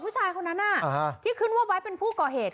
ผู้ชายคนนั้นที่ขึ้นว่าไว้เป็นผู้ก่อเหตุ